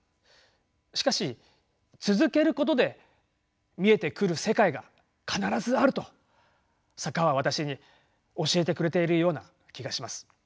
しかし続けることで見えてくる世界が必ずあると坂は私に教えてくれているような気がします。